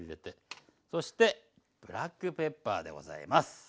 そしてブラックペッパーでございます。